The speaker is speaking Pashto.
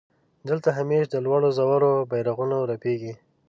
دلته همېش د لوړو ژورو بيرغونه رپېږي.